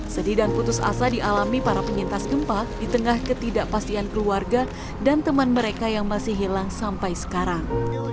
sedih dan putus asa dialami para penyintas gempa di tengah ketidakpastian keluarga dan teman mereka yang masih hilang sampai sekarang